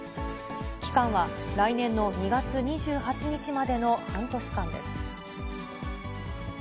期間は来年の２月２８日までの半年間です。